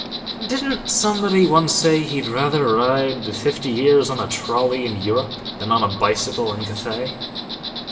Didn't somebody once say he'd rather ride fifty years on a trolley in Europe than on a bicycle in Cathay?"